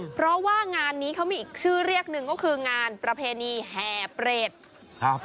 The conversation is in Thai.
เพราะว่างานนี้เขามีอีกชื่อเรียกหนึ่งก็คืองานประเพณีแห่เปรตครับ